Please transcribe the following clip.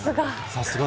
さすが。